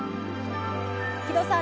木戸さん